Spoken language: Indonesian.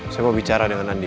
saya mau bicara dengan andi